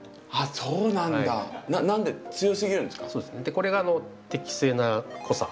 これが適正な濃さ。